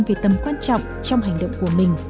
về tầm quan trọng trong hành động của mình